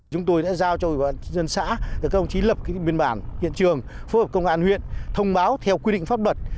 chúng tôi đã giao cho ủy ban dân xã các ông chí lập biên bản hiện trường phối hợp công an huyện thông báo theo quy định pháp luật